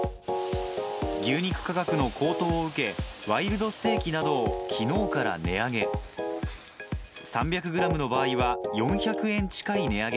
牛肉価格の高騰を受け、ワイルドステーキなどをきのうから値上げ。